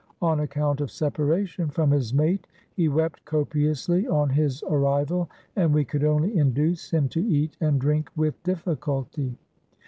On account of separation from his mate he wept copiously on his arrival, and we could only induce him to eat and drink with difficulty.